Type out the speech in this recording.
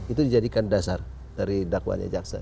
itu dijadikan dasar dari dakwanya jaksa